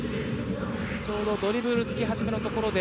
ちょうどドリブルつき始めのところで。